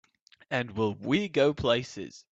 And will we go places!